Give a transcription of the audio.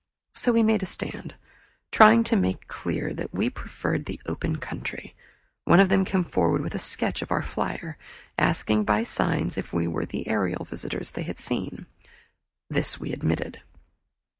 So we made a stand, trying to make clear that we preferred the open country. One of them came forward with a sketch of our flier, asking by signs if we were the aerial visitors they had seen. This we admitted.